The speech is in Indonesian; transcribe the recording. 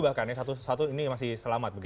tujuh bahkan satu satu ini masih selamat begitu